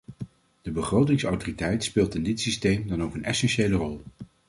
De begrotingsautoriteit speelt in dit systeem dan ook een essentiële rol.